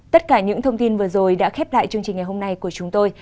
tất cả những thông tin vừa rồi đã khép lại chương trình ngày hôm nay của chúng tôi